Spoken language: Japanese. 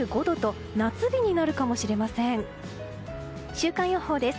週間予報です。